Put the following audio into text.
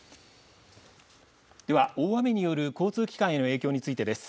では、大雨による交通機関への影響についてです。